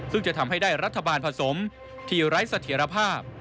ซึ่งจะทำให้ได้รัฐบาลผสมที่ไร้เสถียรภาพ